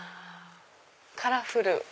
カラフル！